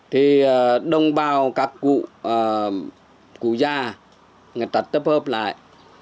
thì đồng bào các cụ gia người ta tập hợp lại